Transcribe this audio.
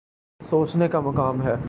سوچنے کا مقام ہے۔